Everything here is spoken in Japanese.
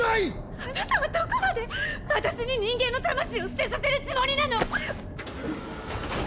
あなたはどこまで私に人間の魂を捨てさせるつもりなの！